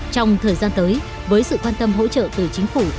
trong thời gian tới với sự quan tâm hỗ trợ từ chính phủ